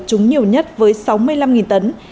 trung nhiều nhất với sáu mươi năm tấn